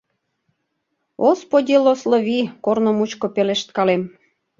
— Осподи-лослови! — корно мучко пелешткалем.